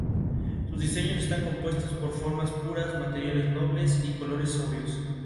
Luego de los hechos, se fue a su domicilio.